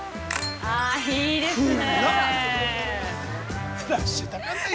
いいですね。